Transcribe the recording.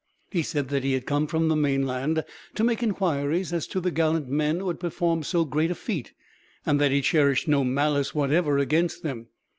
He said that he had come from the mainland to make inquiries as to the gallant men who had performed so great a feat, and that he cherished no malice, whatever, against them.